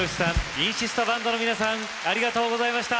韻シストＢＡＮＤの皆さんありがとうございました。